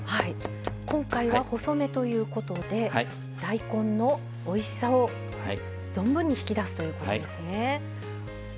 今回は細めということで大根のおいしさを存分に引き出すということですね。